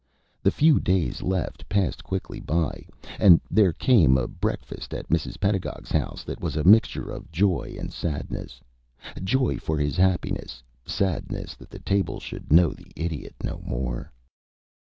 The few days left passed quickly by, and there came a breakfast at Mrs. Pedagog's house that was a mixture of joy and sadness joy for his happiness, sadness that that table should know the Idiot no more.